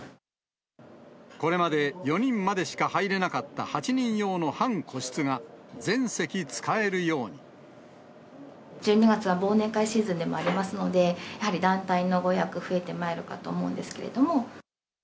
これまで４人までしか入れなかった８人用の半個室が、全席使１２月は忘年会シーズンでもありますので、やはり団体のご予約、増えてまいるかと思うんですけれども。